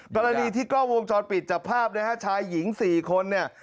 กรณีที่กล้องวงจรปิดจับภาพนะฮะชายหญิง๔คนเนี่ย